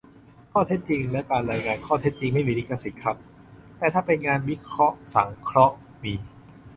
ข้อเท็จจริง และ การรายงานข้อเท็จจริง ไม่มีลิขสิทธิ์ครับ - แต่ถ้าเป็นงานวิเคราะห์สังเคราะห์ มี